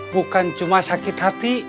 bukan cuma sakit hati